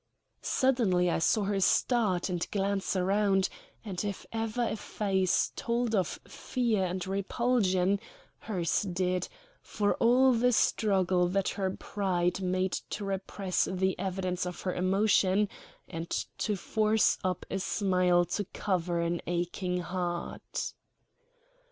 Suddenly I saw her start and glance round; and if ever a face told of fear and repulsion hers did, for all the struggle that her pride made to repress the evidence of her emotion, and to force up a smile to cover an aching heart.